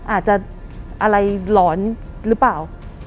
อาจจะอะไรหลอนหรือเปล่า